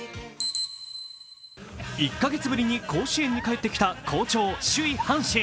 １か月ぶりに甲子園に帰ってきた好調、首位・阪神。